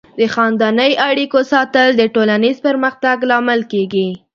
د خاندنۍ اړیکو ساتل د ټولنیز پرمختګ لامل کیږي.